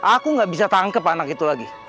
aku gak bisa tangkep anak itu lagi